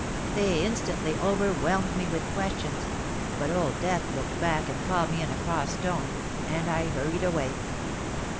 They instantly overwhelmed me with questions—but Old Death looked back and called me in a cross tone, and I hurried away.